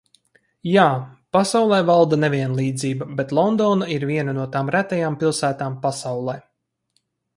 Jā, pasaulē valda nevienlīdzība, bet Londona ir viena no tām retajām pilsētām pasaulē.